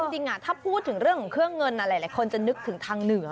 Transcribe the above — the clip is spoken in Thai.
จริงถ้าพูดถึงเรื่องของเครื่องเงินหลายคนจะนึกถึงทางเหนือ